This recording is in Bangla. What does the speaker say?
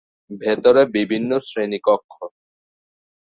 ভেতরে বিভিন্ন শ্রেণিকক্ষ।